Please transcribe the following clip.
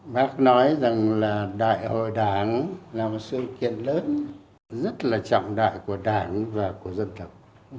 bác nói rằng là đại hội đảng là một sự kiện lớn rất là trọng đại của đảng và của dân tộc